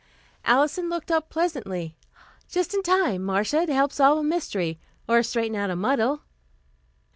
Alison looked up pleasantly. "Just in time, Marcia, to help solve a mystery, or straighten out a muddle."